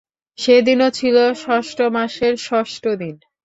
সেদিনও ছিল ষষ্ঠ মাসের ষষ্ঠ দিন।